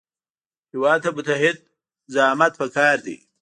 هېواد ته متعهد زعامت پکار دی